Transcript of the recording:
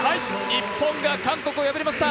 日本が韓国を破りました！